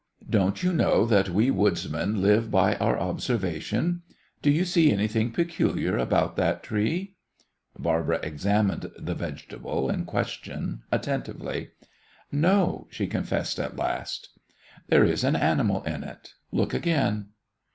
"Don't you know that we woodsmen live by our observation? Do you see anything peculiar about that tree?" Barbara examined the vegetable in question attentively. "No," she confessed at last. "There is an animal in it. Look again."